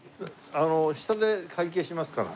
下で会計しますから。